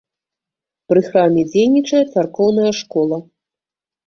Пры храме дзейнічае царкоўная школа.